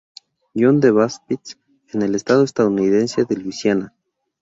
John the Baptist en el estado estadounidense de Luisiana.